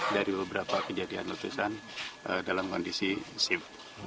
dari beberapa kejadian letusan dalam kondisi sif